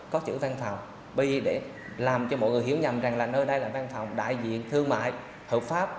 có chữ văn phòng p để làm cho mọi người hiểu nhầm rằng là nơi đây là văn phòng đại diện thương mại hợp pháp